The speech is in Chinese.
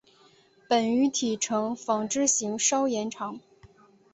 本鱼体成纺锤型稍延长。